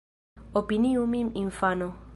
Opiniu min infano.